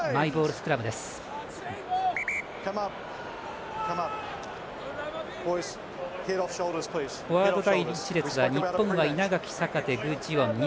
フォワード第１列は日本は稲垣、坂手、具智元。